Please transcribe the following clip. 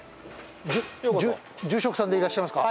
住職さんでいらっしゃいますか？